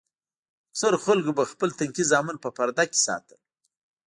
اکثرو خلکو به خپل تنکي زامن په پرده کښې ساتل.